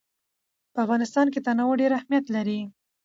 په افغانستان کې تنوع ډېر اهمیت لري.